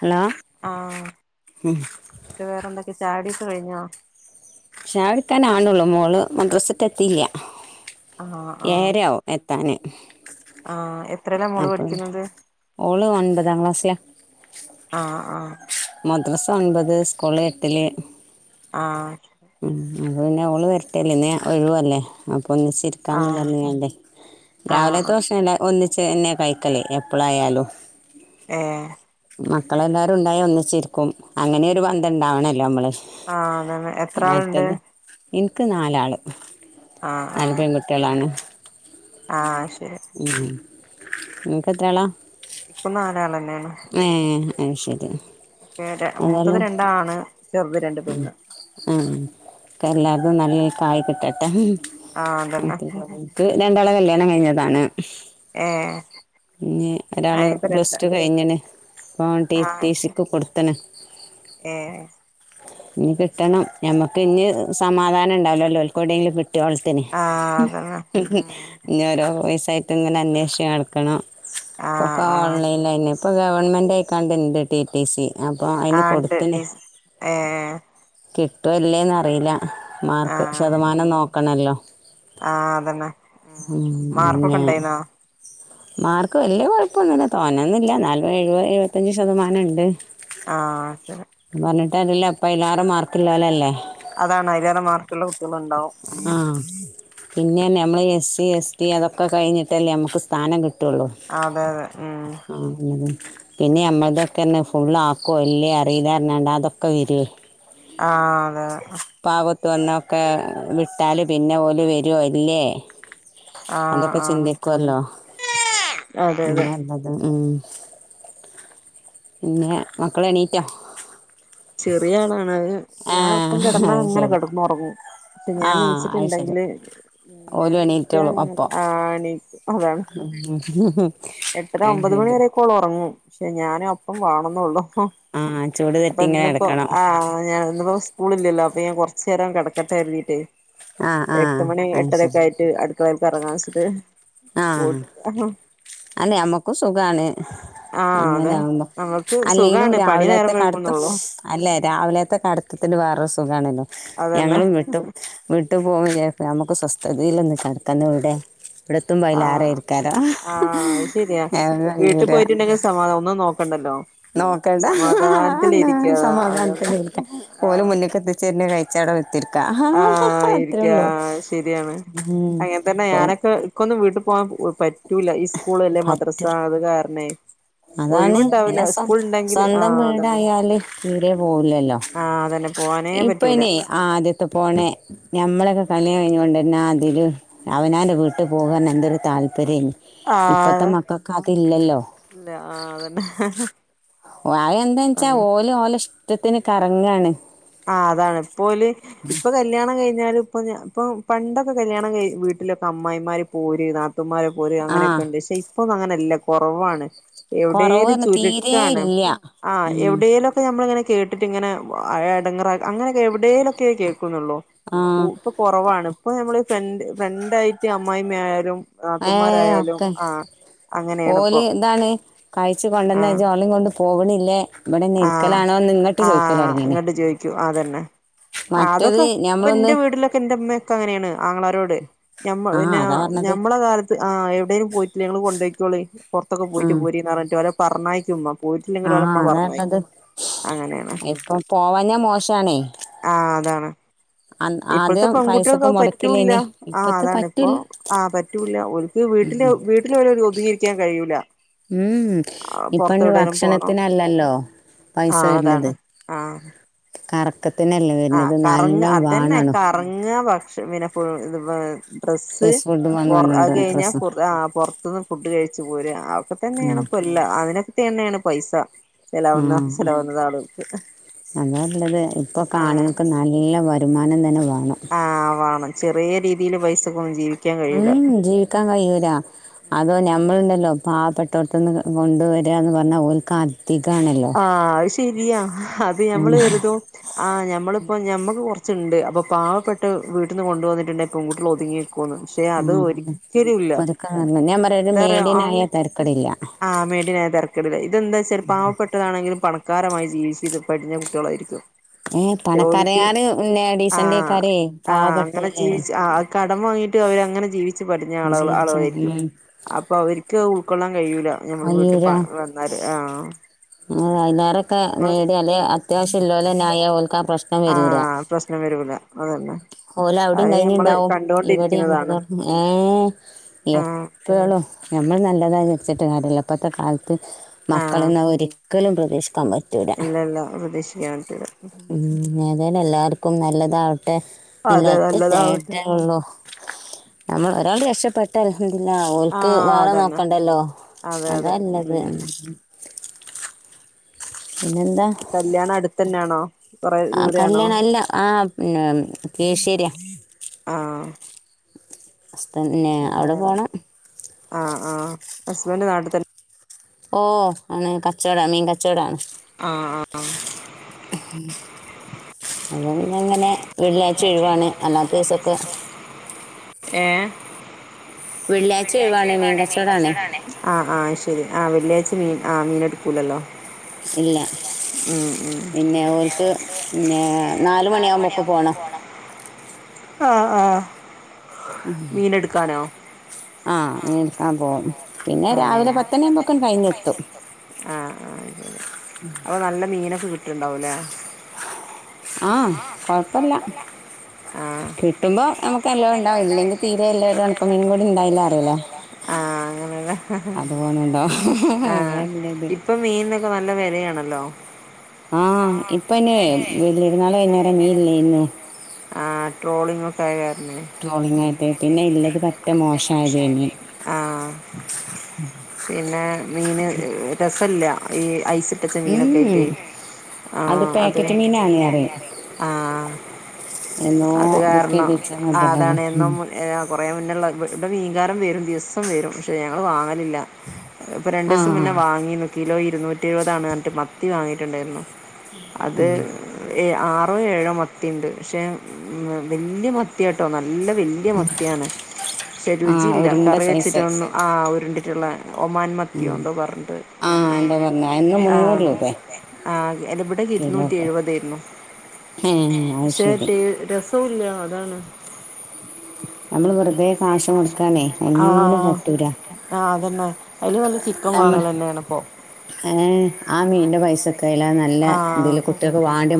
Hello ആഹ് ന്നിട്ട് വേറെന്തൊക്കിണ്ട് ആടെം കഴിഞ്ഞോ [unintelligible] മോള് മദ്രസറ്റ് എത്തിയില്ല ആഹ ആഹ താനെ ആഹ എത്രയില മോള് പഠിക്കുന്നത് ഓള് ഒൻപതാം ക്ലാസ്സിലാ ആഹ ആഹ എത്രസം ഒൻപത് സ്കൂൾ എട്ടില് ആഹ ഉം അത് പിന്നെ ഓള് വരട്ടല്ലേ ഇന്ന് ഒഴിവുവല്ലേ അപ്പം ഒന്നിച്ചിരിക്കാന്ന് ആഹ് പറഞ്ഞുല്ലേ ആഹ് ആഹ് രാവിലെത്തെഷല്ല ഒന്ന ച എന്നെന്നെ കഴിക്കലേ എപ്പോഴായാലും ആഹ മക്കളെല്ലാവരും ഉണ്ടായി ഒന്നിച്ചിരിക്കും അങ്ങനെൊ ഒരു പന്ന്തണ്ടാവണല്ലോ നമ്മള് ആഹ അതതെ എത്ര ആളുണ്ട് മറ്റത് എനിക്ക് നാലാൾ അന പെൺകുട്ടികളാണ് ആഹ ആഹ ശരി നിനക്ക് എത്രയാളാ നിക്ക നാലാ ആൾ തന്നെയാണ് അത് ശരി ഉെ മൂത്തത് രണ്ടാണ് ചെറുത് രണ്ട് പെണ്ണ് ആ ആ എല്ലാതും നല്ല കായ് കിട്ടട്ടെ അ ആഹ് അതന്നെ നമക്ക് രണ്ടാള വല്ല ണം കഴിഞ്ഞതാണ്. ഏഹ് ഇഞ് ഒരാള് അയിനിപ്പ രണ്ട് പ്ലസ് ടു കഴിഞ്ന് പ്പോ ടി. ടി ആഹ് ശരി സിക്ക് കൊടുത്ണ് ഏഹ് ഇനി കിട്ടണം ഞമ്മ ക്ഞ് സമാധാനംണ്ടാവുല്ലല്ലോ ഓൽക്ക് ഒവ്ടെങ്കിലും കി കിട്ടോൾത്തിന് ആഹ് അതന്നെ ഉം ഇഞ് ഓരോ പൈസ അതായിട്ട് ഇങ്ങനെ അനേഷിച്ച് നടക്കണം ആഹ് പൊക്കെ ആഹ് ഓൺലൈൻലന്നെ ഇപ്പ ഗവൺമെന്റ് അയ്ക്കാണ്ട് ഇണ്ട് ടി. ടി. സി അപ്പൊ അയ്ന് കൊട്ത്ന് ഹേ കിട്ടോ ഇല്ലേന്നറീല മാർക്ക് ശതമാനം നോ ക്കണല്ലോ ആ അതന്നെ പിന്നെ മാർക്കൊക്കെണ്ടായിന്നോ? മാർക്ക് വല്യാ കോഴപ്പൊന്നുല്ല തോനേന്നുല്ല ന്നാലും എഴുപത് എഴുപത്തഞ്ചു ശതമാനം ഇണ്ട് ആ അതല്ല ഇപ്പ അയ്ലാറേ മാർക്ക്‌ലോലല്ലേ അതാണ് അയിലേറെ മാർക്കുള്ള കുട്ടികളുണ്ടാവും. ഉം പിന്നെർഞ്ഞ് നമ്മള് എസ് സി, എസ് ടി അതൊക്കെ കഴിഞ്ഞിട്ടല്ലേ ഞമ്ക്ക് സ്ഥാനം ക് ട്ടുള്ളോ... അതെ അതെ ഉം ആ അങ്ങനെ പിന്നെ ഞമ്മക്കൾതൊക്കെ ർന്നാ ഫുള്ളാക്കുവ എല്ലേ അറീലർഞാണ്ട് അതൊക്കെ വരുവേ. ആഹ് അതെ പാവത് വന്നാ ഒക്കെ വിട് ട്ടാല് പിന്നെ ഓലു വരുവോ ഇല്ലേ ആഹ് അതോക്കെ ആഹ് ചിന്തിക്കുവല്ലോ. അതെ അതെ അതാ പർഞത്. ഉം പിന്നെ, മക്കൾ എണ്ണീറ്റോ? ചെറിയ ആളാണ് അഹ് ഞാൻ ഒപ്പം കെടന്നാ അത് അങ്ങനെ ശരി കടന്നൊറങ്ങും. പക്ഷെ ആ ഞാൻ അത് ശരി ന്നീച്ചിട്ടുണ്ടെങ്കില് ഞാൻ ഓലും എണീറ്റ് എണീറ്റോളും അപ്പൊ [unintelligible] അതാണ് എട്ടര അത് അമ്പത് മണി ശരി വരെക്കോള് ഒറങ്ങും. പക്ഷെ ഞാന് ഒപ്പം വേണന്നേ ഉള്ളു. ആഹ് ചൂട് അപ്പൊ തട്ടി ഇങ്ങനെ ഇന്നിപ്പോ കിടക്കണം ആ ഞാൻ ഇന്നിപ്പോ സ്കൂളില്ലല്ലോ അപ്പ ഞാൻ കൊറച്ചേരം കെ ടക്കട്ടെ എണ്ണീറ്റെ ആഹ് ആഹ് എട്ട് മണി അത് ശരി എട്ടരേക്കെ ആയിട്ട് അടുക്കളേലെ കറങ്ങാശ്ശിട്ട് പോട് അഹാ അത് നമുക്ക് സുഖാണ് ആഹ് അതെ അങ്ങനെആകുമ്പം നമ്മൾക്ക് അല്ലേലും സുഖാണ് പണി നേരം രാവിലത്തെ കടുത്തും വൈകുന്നുള്ളൂ അല്ലേ രാവിലത്തെ കടു അടുത്തത്തിന് വേറൊരു സുഖാണല്ലോ അതന്നെ ഞങ്ങളും വിട്ടു വിട്ട് ഇട്ട് പോ നമുക്ക് സ്വസ്ഥതയിലൊന്ന കെടക്കാൻ ഇവിടെ ഇവിടെത്തുമ്പോ ആ അയിലേറെ ആയിരിക്കാരം ആ അതു ശരിയാ വീട്ടിൽ പോയിട്ടുണ്ടെങ്കിൽ സമാ ഒന്നും നോക്ക ക്കണ്ടല്ലോ നോക്കണ്ട അതന്നെ സമാധാനത്തില് ഓലെ ആഹ് മുന്നീക്ക് എത്തിചേർണ ഒര് ചടവ് ആഹ് ഇരിക്ക ശരിയാണ് ഉം. അങ്ങനെ തന്നെ അപ്പം ഞാനൊക്കെ ഇക്കൊന്ന് വീട്ട് പോ പറ്റ് പറ്റൂല്ല ഈ സ്കൂൾ അല്ലേ പറ്റ മദ്രസ അത് കാരണേ അതാണ് ഒഴിവുണ്ടാവൂല്ല പിന്നെ സ്വ സ്കൂൾ ഉണ്ടെങ്കിൽ സ്വന്തം ആഹ് അതന്നെ വീടായാല് തീരെ പോവില്ലല്ലോ ആഹ് അതന്നെ പോവാനേ പറ്റൂല പോണേ ഞമ്മളൊക്കെ കല്യാണം കഴിഞ്ഞു കൊണ്ട് തന്നെ അതില് അവനാൻ്റെ വീട്ടിൽ പോകാൻ എന്തൊരു താല്പര്യെനു ആഹ് അതെ ഇല്ല ആഹ് അതന്നെ വയ എന്താച്ചാ ആഹ് ഓല് ഓലെഷ് ഷ്ട്ട ത്തിന് കറങ്ങാണ് ആ അതാണ് പോവല്ല് ഇപ്പൊ കല്യാണം കഴിഞ്ഞാലും ഇപ്പൊ ഇപ്പൊ പണ്ടൊക്കെ കല്യാണം കയിഞ്ഞ് വീട്ടിലൊക്കെ അമ്മായിമാര് പോരീണ് നാ തുമ്മാരെ പോര് ആ അങ്ങനെയൊക്കെ ഉണ്ട് ഷെയി ഇപ്പൊന്ന് അങ്ങനല്ല കുറവാണ് കൊറവ് എവിടേലും തന്നെ തീരെ ചുരുക്കാണ് ഇല്ല ആഹ് ഉം എവിടേലുക്കെ നമ്മളിങ്ങനെ കേട്ടിട്ട് ഇങ്ങനെ അഴ ങ്ങേറാക് അങ്ങനെയൊക്ക എവിടേലും കേ കേൾക്കുന്നുള്ളൂ ആഹ് ഇപ്പൊ കുറവാണ് ഇപ്പ നമ്മള് ഫ്രണ്ട് ഫ്രണ്ടായിട്ട് അമ്മായിമ്മയായാലും ഏഹ് നാത്തൂമാരായാലും ഒക്കെ ആഹ് അങ്ങനെയാണ് ഇപ്പോ ഓല് എന്താണ് കഴിച്ച് ആഹ് കൊണ്ടന്നേച്ച് ഓളേം കൊണ്ട് പോകണില്ലേ ആഹ് ആഹ് അങ്ങോട്ട് ചോയിക്കൂ അതന്നെ ആ മറ്റത് അതൊക്കെ ഇപ്പൊ ഞമ്മളൊന്ന് ഇന്റെ വീട്ടിലൊക്കെ ൻറെ ഇമ്മയൊക്കെ അങ്ങനെയാണ് ആങ്ങളാരോട് ഞമ്മ ആഹ് പിന്ന അതാ പറഞ്ഞത് ഞമ്മളെ കാലത്ത് ആ് എവിടെേിലും പോയിട്ടില്ല ഞങ്ങള് കൊണ്ടയ്ക്ക് തുളി പുറത്തൊക്ക പോയിറ്റ് പോരീന്ന് ന്നറഞ്ഞട്ട് ഓല പറഞ്ഞായിക്കുമ്പം ആഹ അതായില്ലത് അങ്ങനെയാണ് ഇപ്പൊ പോവാഞ്ഞഞാ മോഷണ് ആഹ് അതാണ് ഇപ്പോഴത്തെ പെൺകുട്ടികൾക്ക് അത് പറ്റൂല്ല ആഹ് ഇപ്പത്തെ അതാണ് ഇപ്പോ പറ്റൂല ആ് പറ്റൂല്ല ഓൽക്ക് വീട്ടിലെ വീട്ടില് വരെ ഒതുങ്ങിയിരിക്കാൻ കഴിയൂല ഉം ആഹ് ഇപ്പൊ പൊറത്തെവിടേലും പോണം ഭക്ഷണത്തിനല്ലല്ലോ പൈസ ആഹ് വരുന്നത് അതാണ് ആഹ് കറക് ക്കത്തിനല്ലേ വരുന്നത് ആഹ് കറങ്ങ നല്ലം അതന്നെ വാണാണും കറങ്ങ [unintelligible] ഡ്രസ്സ് ഫേസ് ഫുഡ് വന്ന് അത് വന്നോണ്ട് കഴിഞ്ഞ ഡ്രസ്സും പുറത്തുന്ന് ഫുഡ് കഴിച്ച്ച് പച് പോര് ആ ഉം തന്നെയണ് പുല്ല് അതിനൊത്ത്‌ തന്നെയാണ് പൈസ ചിലവന്ന ഉം ചിലവന്നത ആളുക്ക് അതാള്ളത് ഇപ്പൊ കാണോക്ക് നല്ല ല്ല വരുമാനം തന്നെ വ ആഹ് വേണം ചെറിയ രീതിയില് പൈസക്കെ ഒന്ന് ജീവി ഉം ജീവിക്കാൻ കഴിയൂലാ അതോ ഞമ്മളുണ്ടല്ലോ പാവപെട്ടോടുത്തുനിന്ന് കൊണ്ട് വര്യന്ന് പറഞ്ഞാൽ ഓൽക്കാ ധികണലോ ശെരിയ അത് ഞമ്മൾ കരുതും ആഹ് ഞമ്മളിപ്പോ ഞമ്മക്ക് കുറ ച്ച് ഉണ്ട് അപ്പോൾ പാവപ്പെട്ട വീട്ടിൽ നിന്ന് കൊണ്ട് വന്നിട്ടുണ്ട് പെൺകുട്ടികൾ ഒതുങ്ങി നിക്കുന്ന് പക്ഷെ അത് ആഹ് ഒരിക്കലുല്ല ഒര്ക്കാണല്ലോ ഞാൻ പറയാ ഒരു എന്താ റിയാ മീഡിയനായ തരക്കടില്ല ആഹ് മേടിയനായ തിരക്കെടില്ല ഇതെന്താച്ച പാവപ്പെട്ട എങ്കിൽ പണക്കാരമായി ജീവിച്ചിത് [unintelligible] കുട്ടികളായിരിക്കും ഏഹ് പക്ഷെ പണക്കരെ ഓൽക്ക് കാൽ ഡീസന്റ ആഹ് കാര് ആഹ് പാവപ്പെട്ടരന്ന് അങ്ങനെ ജീവി ച്ച് പഠിഞ്ഞ ആളുക ആളുകളായിരിക്കും അപ്പൊ അവർക്ക് ഉൾക്കൊള്ളാൻ കഴിയൂല ഞമ്മള് വീട്ടിൽ വന്നാല് ആഹ് [unintelligible] നമ്മള് മിഡിയ അല്ലേ ത്യവിഷ ഇല്ലല്ലോന്ന ആയ ഓല് ആഹ് പ്രശ്നം വരൂല അതന്നെ ഓല് അവിടയും അത് നമ്മള് കഴിഞ്ഞുണ്ടാവും ഇവിടെ കണ്ടോണ്ടിരിക്കുന്നതാണ് മ്മൾ ഏഹ് ആഹ് എപ്പോളും ഞമ്മൾ നല്ലതായി സെട്ട്ന്നട്ട്ല്ല ഇപ്പത്ത കാല് ത്ത് മക്കളെന്ന ഒരു ക്കലും പ്രതീക്ഷിക്കാൻ പ ഇല്ലില്ല പ്രതീക്ഷിക്കൻ പറ്റൂല അതന്നെ എല്ലാവർക്കും നല്ലതാവട്ടെ ല്ല അതെ ഒറ്റ നല്ലതാവട്ടെ തേട്ടെ ഉള്ളൂ നമ്മൾ രാൾ രക്ഷപെട്ടല്ലോ തില്ല ഓൾക്ക് ആഹ് വേറെ അതന്നെ നോക്കണ്ടല്ലോ അതെ അതെ അതല്ലത് ഉം പിന്നെന്താ കല്യാണം അടുത്തന്നെയാണോ കൊറെ ആ ദൂരെയാണോ കല്യാണം അല്ല ആ പിന്ന കേശ്ശേരിയാ ആഹ് ഉസ്ത്തന്നെ പിന്നെ അവിടെ വേറെ പോണം ആഹ് ആഹ് ഹസ്ബൻ്റ് നാട്ടി തന്നെ ഓ ആണ് കച്ചോട മീൻ കച്ചോടാണ് ആഹ് ആഹ് അപ്പം പിന്നങ്ങനെ ഏ വെള്ളിയാഴ്ച ഒഴിവാണ് മീൻ കച്ചവടമാണ് ആ ആ ശെരി ആ വെള്ളിയാഴ്ച മീൻ ആ മീനെടു പുലലോ ഇല്ല പിന്നെ ഓർക്ക് പിന്നെ നാല് മണിയാവുമ്പൊക്ക് പോണം ആ ആ ആഹ് ഉം അപോ പിന്നെ രാവിലെ പത്തുമണു ആവുമ്പൊക്കും കഴിഞ്ഞ് കിട്ടും അവ നല്ല മീനൊക്കെ കിട്ടും ട്ടുണ്ടാവൂലേ ആ ആഹ് കുഴപ്പമില്ല അഹ് കിട്ടുമ്പോൾ നമുക്ക് എല്ലാം ഉണ്ടാവും ഇല്ലെങ്കിൽ തീരെ എല്ലാം ഒരു ഉണക്ക മീനും കൂടി ഉണ്ടായില്ല അറിയില്ലേ അങ്ങനുള്ള അത് പോകണുണ്ടോ ആഹ് അതല്ലത് ഇപ്പം മീനൊക്കെ നല്ല വിലയാണ് ഹലോ ആഹ് ഇപ്പം ഇനിയെ വലിയെരുന്നാള് കഴിഞ്ഞോടെ മീൻ ഇല്ലായിരുന്നു ആ [unintelligible] ട്രോളിങ്ങ് ആയിട്ടേ. പിന്നെ ഇള്ളത് പറ്റേ മോശയതേനി ആ പിന്നെ മീൻ രസമില്ല ഈ ഐസ് ച്ച മീനൊക്കായ്ട്ട് ആഹ് അത് പാക്കറ്റ് മീനാണ് അറിയും ആഹ് എന്നോ അത് ബുക്ക് ചെയ്ത് കാർണം ആ വെച്ചന്നതല്ലല്ലോ അതാണെ ഉം എന്നും ഏ കൊറേ മുന്നുള്ള ഇവിടെ മീങ്കാരൻ വരും ദിവസ്സം വരും പക്ഷെ ഞങ്ങള് വാങ്ങലില്ല ഇപ്പം രണ്ട്സം ആഹ് മുന്നേ വാങ്ങിന്നു കിലോ ഇരുന്നൂറ്റ് അതാണർഞ്ട്ട് മത്തി വാങ്ങി ട്ടുണ്ടായിരുന്നു അത് എ ആഹ് റോ ഏഴോ മത്തിണ്ട് ക്ഷേ വല്യയ മത് ത്യാട്ടോ നല്ല വല്ല്യ മത്തിയാണ് പക്ഷെ ആഹ് രുചിയില്ല ഉരുണ്ട കറി സൈസ് വെച്ചിട്ടൊന്നും ആഹ് ഉരുണ്ടിട്ടുള്ള ഒമാൻ മത്തിയോ ന്ദോപറഞ്ഞിട്ട് ആഹ് എന്താ പറഞ്ഞ എന്ന് മുന്നൂറ് ആഹ് രൂപ ആ അതിവിടെ ഇരുന്നൂറ്റി കിലോക്ക് എഴുവതേര് ന്നു ഏഹ് അത് പക്ഷെ ശരി ടേ രസുല്ല ആതാണ് നമ്മള് വെറുതേ കാശു കൊടുക്കാനേ ഒന്നിനും പറ്റൂല അതിലും നല്ലത് ചിക്കൻ നമ്മ വാങ്ങണ തന്നെയാണിപ്പൊ ഏഹ് ആ മീന്റെ പൈസ ആ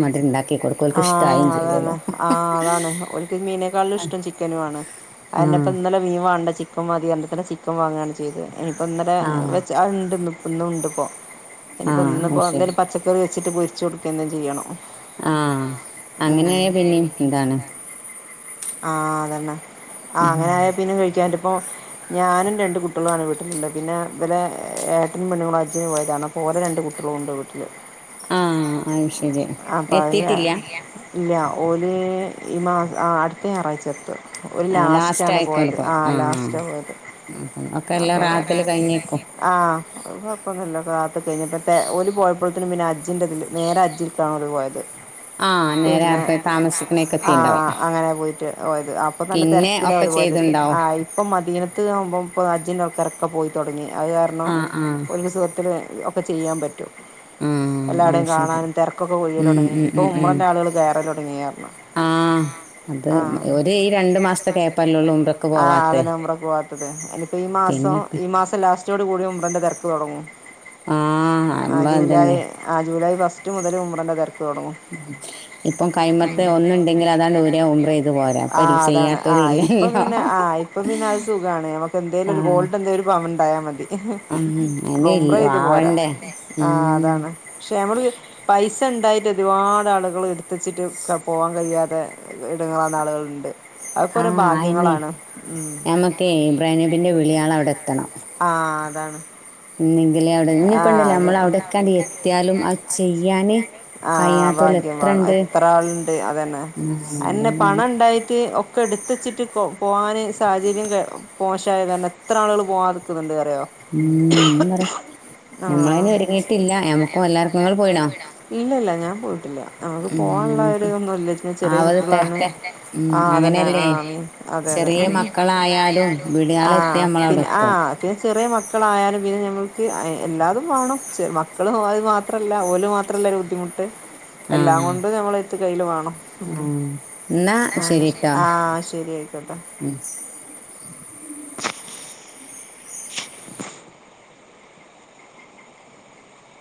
മാതിരി ഉണ്ടാക്കി കൊടുക്കും ആ ഓൽക്ക് ഇഷ്ടായും അതന്നെ ചെയ്തോളും ആ അതാണ് ഒരിക്ക മീനേക്കാളിലും ഇഷ്ടം ചിക്കനും ആണ് അതിനിപ്പ ആഹ് ഇന്നല്ല മീൻ വേണ്ട ചിക്കൻ അപ്പം മതി അതില്ത്തന്നെ ചിക്കൻ വാങ്ങാണ് ചെയ്തേ അപ്പന്നലെ ആഹ് വെച്ച് അഹ് ണ്ട് ന്നും ഇന്നു ഉണ്ട് പോ ഇനിപ്പ ആഹ് ഇന്ന്പ്പോ അത് ന്ന് ശരി പച്ച അത് വെച്ചിട്ട് പൊര്ച്ച് കൊടുക്കന്നെ ചെയ്യണം ആ അങ്ങനായ പിന്നേം എന്താണ് ആ തന്നെ ആ അങ്ങനായ പിന്നെ കഴിക്കാന്റൊപ്പോ ഞാനും രണ്ടു കുട്ടിയോളാണ് വീട്ടിലണ്ട് പിന്നെ ടെ ഏട്ടിനും പെണ്ണുങ്ങളും അജ്ജിന് പോയതാണ്പ്പോ ഓന്റെ രണ്ട് കുട്ടികളും ഉണ്ട് വീട്ടില് ആ ആയി ശെരി അതിൽ എത്തീട്ടില്ല ഇല്ല ഓൾ ഈ മാസം ആടു അടുത്ത ഞായറയ്ച എത്തും ഓന് ആഹ് ലാസ്റ്റ് ലാസ്റ്റാണ് ആയിക്കോട് പോയത് ആ ആഹ് ലാസ്റ്റാ പോയത് ആഹ് ഒക്കെ എല്ലാം അപ്പൊ റാഹത്തിൽ കഴിഞ്ഞേക്കും ആ അത് കൊയപ്പൊന്നുല്ല പ്രാർത്ഥന ഓന് പോയപ്പോഴത്തിനും പിന്നെ ഹ ജ്ജിന്റെ ഇതില് നേരെ ഹജ്ജിൽക്കാണ് പോയത് ആ നേരെ പിന്നെ ആർഹ താമസിക്കണേക്കെത്തിണ്ടാവും ത് പോയത് അപ്പൊ നല്ല തിരക്കിലാപോയത് ചെയ്തുണ്ടാവും ആ ഇപ്പം മദീനത്ത് ആവുമ്പം ഇപ്പം അജ്ജി ഇപ്പൊ പോയി തൊടങ്ങി അത് കാരണം ആഹ് ആഹ് ഒരു സുഖത്തില് [unintelligible] ഇപ്പ ചെയ്യാൻ പറ്റും ആഹ് എല്ലാടവും അത് ശരി കാണാനും തെരക്കൊക്കെ ഒഴിയൽ ഉം തുടങ്ങി ഉം ഇപ്പൊ ഉം ഉം ഉമ്മാന്റെ ആളുകൾ കേറാൻ തുടങ്ങിയാരണം ആഹ് അത് ഒരു ഈ രണ്ടു മാസത്തെ കൊയ്പല്ല ഒള്ളു ഉമ്മറക്ക് പോവാത്തെ പത്തത് എനി ഈ മാസം പിന്നൊക്കെ ഈ മാസം ലാസ്റ്റോടുകൂടി ഉ [unintelligible] തെരക്ക് തൊടങ്ങൂ ആഹ് ആ അമ്മ ജൂലൈ അതന്നെ ആ ജൂലൈ ഫസ്റ്റ് മുതൽ ഉമ്മറന്റ ഇപ്പം കൈയ്മത്ത് ഒന്നുണ്ടെങ്കിൽ അതാണ് ഊര ആ അതാണ് ആ ഇല്ലല്ലോ ഇപ്പപിന്നെ ആ ഇപ്പപിന്നെ അത് സുഖാണ് നമക്ക് എന്തെലും ഒരു ആഹ് ഗോൾഡ് എന്തെലും ഒരു പവൻ ഉണ്ടായാ മതി ഉം അപ്പൊ അയിന് ഉമ്മ്ര ഇല്ല ചെയ്ത് പോരാ ആവണ്ടേ ആ ഉം അതാണ് പക്ഷെ നമ്മള് പൈസ [unintelligible] എണ്ടായിട്ട് ഒരുപാട് ആളുകള് എടുത്തുവെച്ചിട്ട് പോവാൻ കഴിയാതെ ഇടങ്ങളാന്ന ആളുകള്ണ്ട് ആഹ് അയ്നെ ഉം ഞമ്മക്കേ ഇബ്രാനെബിന്റെ വിളിയാള അവിടെ എത്തണം. ആഹ് അതാണ് ഇഞ്ഞെങ്കില് അവിടെ പിന്നെ ഇഞ്ഞ്പ്പണ്ടല്ലൊ അതേപോലെ നമ്മൾ അമ്മളവിടെ ഒക്കാണ്ടിയെത്തിയാലും അത് ചെയ്യാന് ആ ഭാഗ്യം വേണം കഴിയാത്തോലെത്രെണ്ട് എത്ര ആളുണ്ട് അതന്നെ ഊം ഊം. ഇത്തെച്ചിട്ട്പ്പൊ പോആന് സാഹചര്യങ്ങ [unintelligible] മോശായ കാര്ണം എത്ര ആളുകള് പോവാതെന്ന്ക്ക്ന്ന്ണ്ട് അറ്ഞ്ഞ് ഊം [unintelligible] നറെയ് ആ ഞമ്മളയ്ന് ഒരുങ്ങീട്ടില്ല ഞമ്മുക്കും എല്ലാർക്കും ഇങ്ങള് പോയിണൊ ഇല്ല ഇല്ല ഞാൻ പോയിട്ടില്ല. നമക്ക് പോകാൻള്ള ആ ഒരു ഞമ്മക്ക് ഇതൊന്നുല്ല ന്നെ ചെറ്യേ ആവത് കുട്ട്യെളായോ ണ് തരട്ടെ ഉം ആഹ് അതന്നെ അങ്ങനെയല്ലേ ആഹ് അമിൻ അതെയതെ ചെറിയ ഹ് മക്കളായാലും ഹ് വിളിയാളെത്തിയ ആഹ് നമ്മളവിടെ പിന്നെ ആ എത്തും ചെറ്യേ മക്ക് മക്കളായാലും പിന്നെ ഞമ്മൾ എല്ലാതും വാണം ചെ മക്കളും അത് [unintelligible] മാത്രല്ല ഓല് മാത്രല്ലര് ബുദ്ധിമുട്ട് ട്ട്എല്ലാം ആഹ് കൊണ്ട് ഞമ്മള് [unintelligible] കയ്ല് വാണം ആഹ് എന്നാ ശരിട്ടോ ആഹ് ശരിയയിക്കോട്ടെ.